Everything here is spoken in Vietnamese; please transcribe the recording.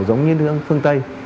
giống như nước phương tây